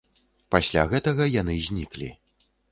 Пасля гэтага яны зніклі.